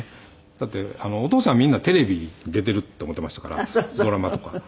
だってお父さんはみんなテレビ出ているって思っていましたからドラマとか。